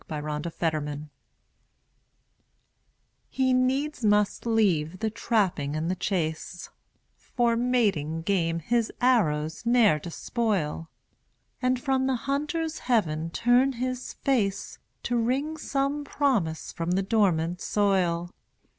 THE INDIAN CORN PLANTER He needs must leave the trapping and the chase, For mating game his arrows ne'er despoil, And from the hunter's heaven turn his face, To wring some promise from the dormant soil.